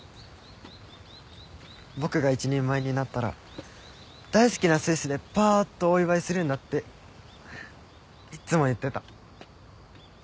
僕が一人前になったら大好きなスイスでパーッとお祝いするんだっていっつも言ってた。